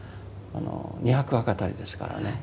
２００話語りですからね。